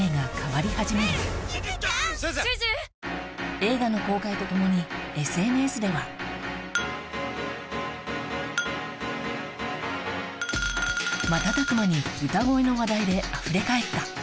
・映画の公開とともに瞬く間に歌声の話題であふれ返った